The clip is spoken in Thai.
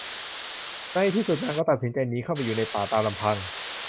ในที่สุดนางก็ตัดสินใจหนีเข้าไปอยู่ในป่าตามลำพัง